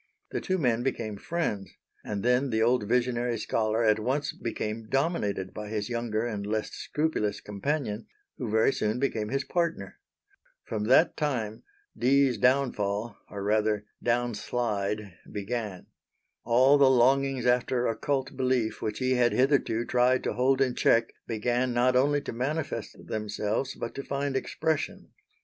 The two men became friends, and then the old visionary scholar at once became dominated by his younger and less scrupulous companion, who very soon became his partner. From that time Dee's down fall or rather down slide began. All the longings after occult belief which he had hitherto tried to hold in check began not only to manifest themselves, but to find expression.